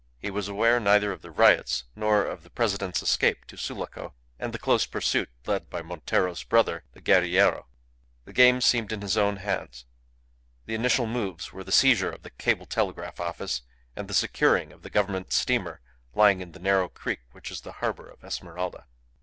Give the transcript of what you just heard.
He was aware neither of the riots, nor of the President's escape to Sulaco and the close pursuit led by Montero's brother, the guerrillero. The game seemed in his own hands. The initial moves were the seizure of the cable telegraph office and the securing of the Government steamer lying in the narrow creek which is the harbour of Esmeralda.